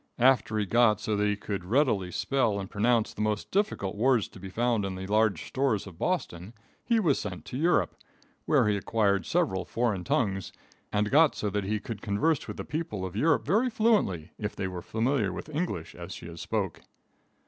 After he got so that he could readily spell and pronounce the most difficult words to be found in the large stores of Boston, he was sent to Europe, where he acquired several foreign tongues, and got so that he could converse with the people of Europe very fluently, if they were familiar with English as she is spoke.